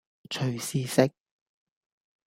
隨時食